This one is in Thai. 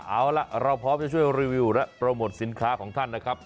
เอาล่ะเราพร้อมจะช่วยรีวิวและโปรโมทสินค้าของท่านนะครับ